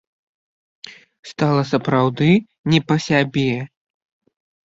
Стала сапраўдны не па сябе.